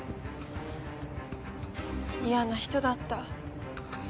嫌な人だった。